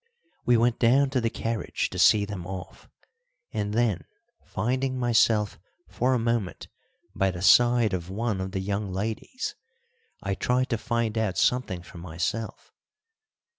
We went down to the carriage to see them off, and then, finding myself for a moment by the side of one of the young ladies, I tried to find out something for myself.